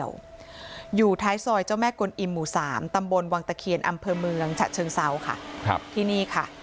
อยู่ท้ายซอยเจ้าแม่กลอิมหมู่๓ตำบลวังตะเคียนอำเภอเมืองจัดเชิงเซียว